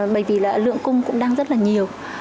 bởi vì lượng cung cũng đang rất là nhiều